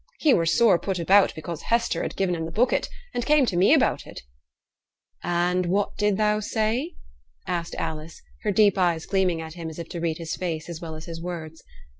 'He were sore put about because Hester had gi'en him the bucket, and came to me about it.' 'And what did thou say?' asked Alice, her deep eyes gleaming at him as if to read his face as well as his words.